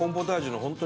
本当に。